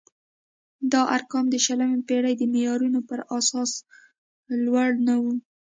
دا ارقام د شلمې پېړۍ د معیارونو پر اساس لوړ نه وو.